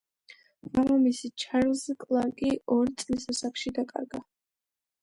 მამამისი, ჩარლზ კლარკი ორი წლის ასაკში დაკარგა.